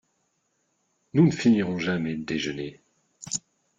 Nous ne finirons jamais de déjeuner…